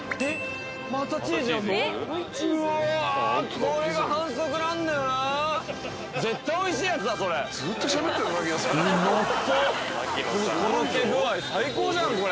このとろけ具合最高じゃんこれ。